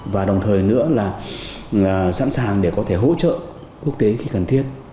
và đồng thời nữa là sẵn sàng để có thể hỗ trợ quốc tế khi cần thiết